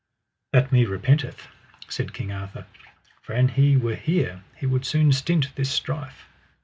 That me repenteth, said King Arthur, for an he were here he would soon stint this strife.